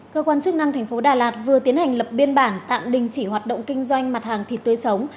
cơ quan chức năng thành phố đà lạt vừa tiến hành lập biên bản tạm đình chỉ hoạt động kinh doanh mặt hàng thịt tươi sống